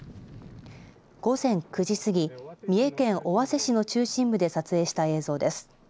午前９時過ぎ三重県尾鷲市の中心部で撮影した映像です。